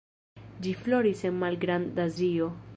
Ĝi floris en Malgrand-Azio.